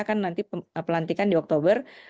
kan nanti pelantikan di oktober